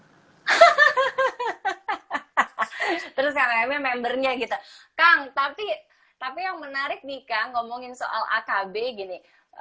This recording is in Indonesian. hahaha terus kang emi membernya gitu kang tapi tapi yang menarik nih kang ngomongin soal akb gini